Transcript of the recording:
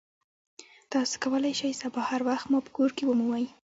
تاسو کولی شئ سبا هر وخت ما په کور کې ومومئ